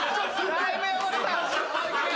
だいぶ汚れた。